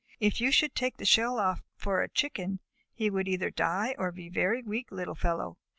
If you should take the shell off for a Chicken, he would either die or be a very weak little fellow.